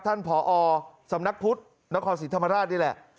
ท่านพออ่อสำนักพุทธนครศรีธรรมราชนี่แหละ